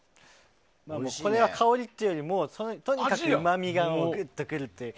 これは香りというよりもとにかくうまみがぎゅっと来るという。